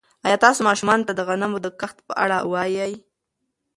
ایا تاسي ماشومانو ته د غنمو د کښت په اړه وایئ؟